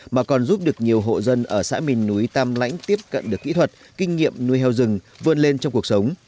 mà còn giúp được nhiều hộ dân ở xã miền núi tam lãnh tiếp cận được kỹ thuật kinh nghiệm nuôi heo rừng vươn lên trong cuộc sống